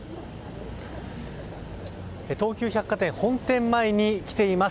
東急百貨店本店前に来ています。